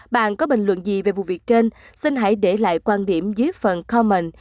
bạn có bình luận gì về vụ việc trên xin hãy để lại quan điểm dưới phần commen